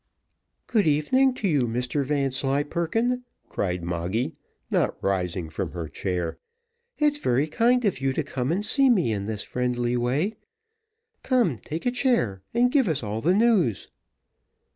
"Good evening to you, Mr Vanslyperken," cried Moggy, not rising from her chair. "It's very kind of you to come and see me in this friendly way come, take a chair, and give us all the news."